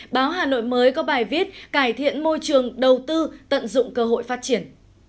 báo hà nội mới có bài viết cải thiện môi trường đầu tư tận dụng cơ hội phát triển